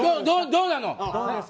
どうなの。